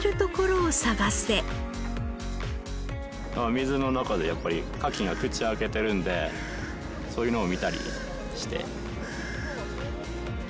水の中でやっぱりカキが口を開けてるんでそういうのを見たりして。